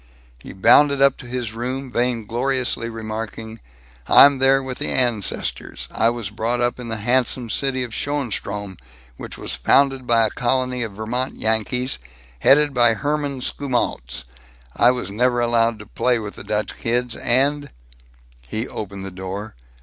He bounded up to his room vaingloriously remarking, "I'm there with the ancestors. I was brought up in the handsome city of Schoenstrom, which was founded by a colony of Vermont Yankees, headed by Herman Skumautz. I was never allowed to play with the Dutch kids, and " He opened the door.